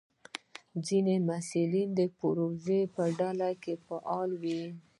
ځینې محصلین د پروژې په ډله کې فعال وي.